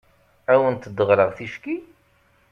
Ad awent-d-ɣreɣ ticki?